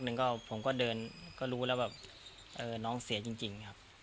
หนึ่งก็ผมก็เดินก็รู้แล้วแบบเออน้องเสียจริงครับ